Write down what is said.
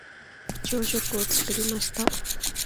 朝食を作りました。